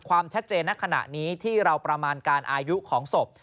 ความชัดเจนในขณะนี้ที่เราประมาณการอายุของศพ